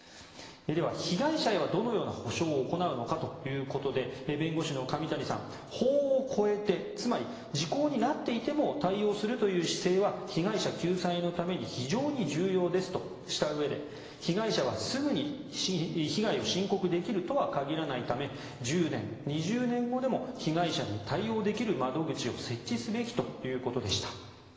では、被害者へはどのような補償を行うのかということで弁護士の上谷さん法を超えてつまり、時効になっていても対応するという姿勢は被害者救済のために非常に重要ですとしたうえで被害者はすぐに被害を申告できるとは限らないため１０年、２０年後でも被害者に対応できる窓口を設置すべきということでした。